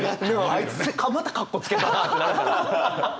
あいつまたかっこつけたなってなるから。